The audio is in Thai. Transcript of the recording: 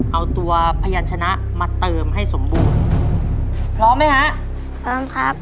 เอาตัวพยานชนะมาเติมให้สมบูรณ์พร้อมไหมฮะพร้อมครับ